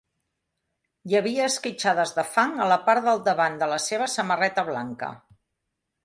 Hi havia esquitxades de fang a la part del davant de la seva samarreta blanca.